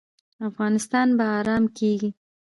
افغانستان به ارام کیږي؟